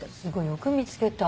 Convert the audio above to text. よく見つけた。